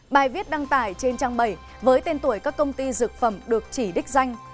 bài viết đăng tải trên trang bảy với tên tuổi các công ty dược phẩm được chỉ đích danh